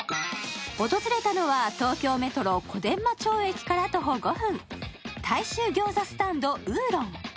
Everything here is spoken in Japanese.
訪れたのは東京メトロ・小伝馬町駅から徒歩５分、大衆ギョーザスタンドウーロン。